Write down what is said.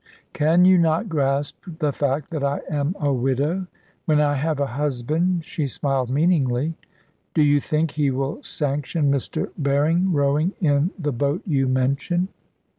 "Can you not grasp the fact that I am a widow? When I have a husband," she smiled meaningly, "do you think he will sanction Mr. Berring rowing in the boat you mention?"